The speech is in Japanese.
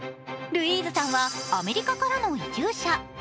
Ｌｏｕｉｓｅさんはアメリカからの移住者。